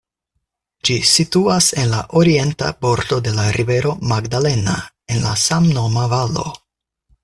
Ĝi situas en la orienta bordo de la rivero Magdalena, en la samnoma valo.